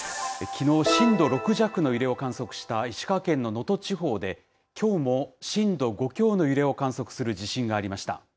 きのう、震度６弱の揺れを観測した石川県の能登地方で、きょうも震度５強の揺れを観測する地震がありました。